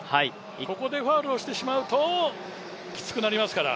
ここでファウルをしてしまうときつくなりますから。